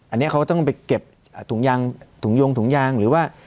อันนี้เขาก็ต้องไปเก็บถุงยางถุงยงถุงยางหรือว่า